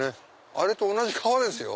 あれと同じ川ですよ。